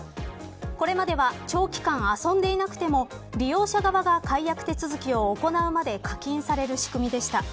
これまでは長期化も遊んでいなくても利用者側が解約手続きを行うまで課金される仕組みでした。